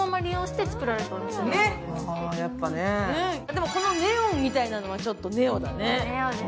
でもこのネオンみたいなのはちょっとネオだね。